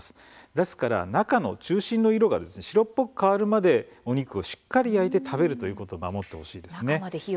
ですから中の中心の色が白っぽく変わるまでお肉をしっかり焼いて食べるということを守ってほしいです。